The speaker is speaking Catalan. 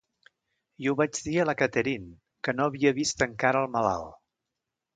I ho vaig dir a la Catherine, que no havia vist encara el malalt...